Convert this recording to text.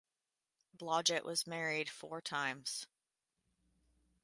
Blodgett was married four times.